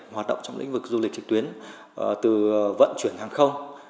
hoạt động trong lĩnh vực du lịch trực tuyến từ vận chuyển hàng không